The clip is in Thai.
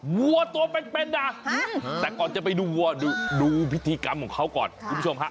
วัวตัวเป็นนะแต่ก่อนจะไปดูวัวดูพิธีกรรมของเขาก่อนคุณผู้ชมฮะ